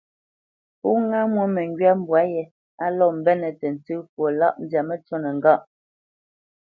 Pó ŋâ mwô məŋgywa mbwǎ yé á lɔ́ mbenə́ tə ntsə fwo lâʼ, zyâ məcûnə ŋgâ.